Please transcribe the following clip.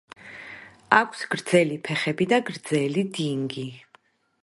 აქვს გრძელი ფეხები და გრძელი დინგი.